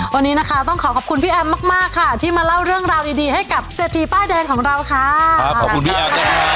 วันนี้นะคะต้องขอขอบคุณพี่แอมมากมากค่ะที่มาเล่าเรื่องราวดีดีให้กับเศรษฐีป้ายแดงของเราค่ะครับขอบคุณพี่แอมค่ะ